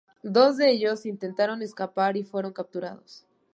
Dos de ellos intentaron escapar y fueron capturados.